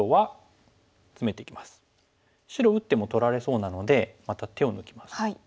白打っても取られそうなのでまた手を抜きます。